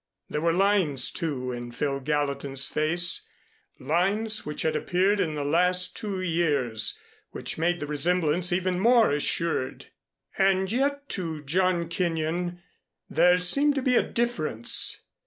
There were lines, too, in Phil Gallatin's face, lines which had appeared in the last two years which made the resemblance even more assured. And yet to John Kenyon, there seemed to be a difference.